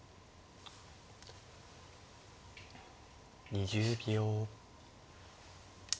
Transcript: ２０秒。